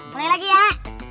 mulai lagi ya